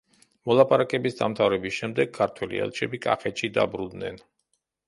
მოლაპარაკების დამთავრების შემდეგ ქართველი ელჩები კახეთში დაბრუნდნენ.